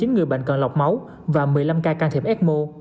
ba mươi chín người bệnh cần lọc máu và một mươi năm ca can thiệp ecmo